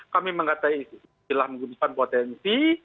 kami mengatakan istilah menggunakan potensi